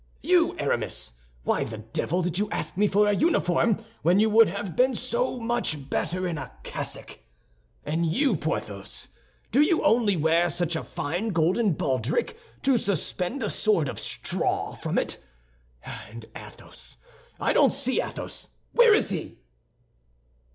You, Aramis, why the devil did you ask me for a uniform when you would have been so much better in a cassock? And you, Porthos, do you only wear such a fine golden baldric to suspend a sword of straw from it? And Athos—I don't see Athos. Where is he?"